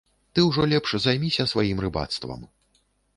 Ты ўжо лепш займіся сваім рыбацтвам.